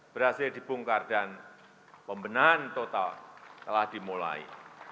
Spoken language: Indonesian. berhasil dibongkar dan pembenahan total telah dimulai